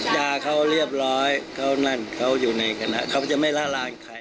ด่าเขาเรียบร้อยเขานั่นเขาอยู่ในคณะเขาจะไม่ละลานใคร